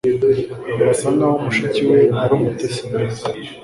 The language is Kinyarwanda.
Birasa nkaho mushiki we ari umutetsi mwiza